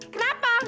kenapa gak suka